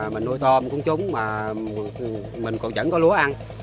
mình nuôi tôm cũng chúng mà mình còn chẳng có lúa ăn